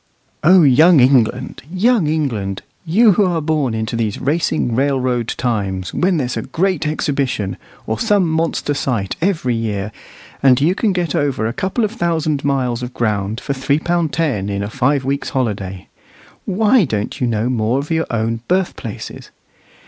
O young England! young England! you who are born into these racing railroad times, when there's a Great Exhibition, or some monster sight, every year, and you can get over a couple of thousand miles of ground for three pound ten in a five weeks' holiday, why don't you know more of your own birthplaces?